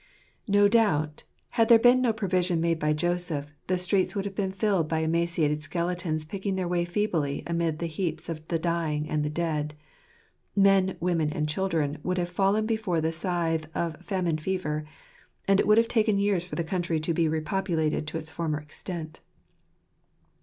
No doubt, had there been no provision made by Joseph, the streets would have been filled by emaciated skeletons picking their way feebly amid the heaps of the dying and the dead; men, women, and children would have fallen before the scythe of famine fever; and it would have taken years for the country to be repopulated to its former extent.